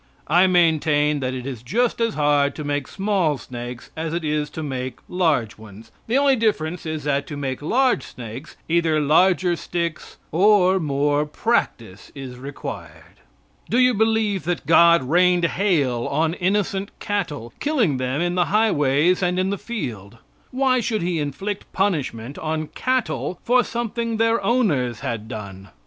I maintain that it is just as hard to make small snakes as it is to make large ones; the only difference is that to make large snakes either larger sticks or more practice is required. Do you believe that God rained hail on innocent cattle, killing them in the highways and in the field? Why should he inflict punishment on cattle for something their owners had done?